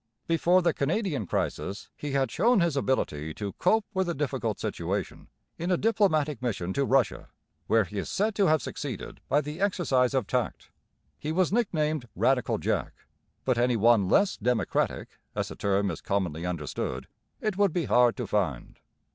Before the Canadian crisis he had shown his ability to cope with a difficult situation in a diplomatic mission to Russia, where he is said to have succeeded by the exercise of tact. He was nicknamed 'Radical Jack,' but any one less 'democratic,' as the term is commonly understood, it would be hard to find.